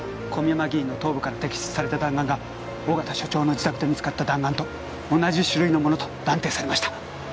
小宮山議員の頭部から摘出された弾丸が緒方署長の自宅で見つかった弾丸と同じ種類のものと断定されました。